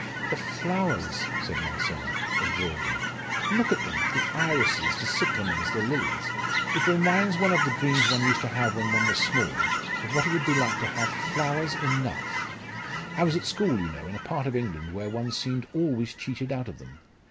"The flowers!" said Marcella, absorbed in it "look at them the irises, the cyclamens, the lilies! It reminds one of the dreams one used to have when one was small of what it would be like to have flowers enough. I was at school, you know, in a part of England where one seemed always cheated out of them!